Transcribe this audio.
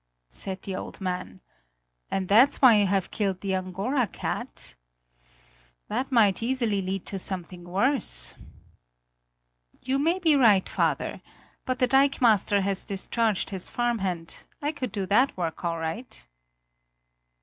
said the old man, "and that's why you have killed the Angora cat? That might easily lead to something worse!" "You may be right, father, but the dikemaster has discharged his farmhand; I could do that work all right!"